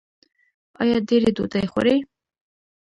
ایا ډیرې ډوډۍ خورئ؟